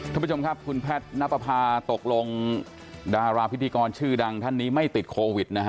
ท่านผู้ชมครับคุณแพทย์นับประพาตกลงดาราพิธีกรชื่อดังท่านนี้ไม่ติดโควิดนะฮะ